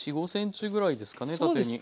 ４５ｃｍぐらいですかね縦に。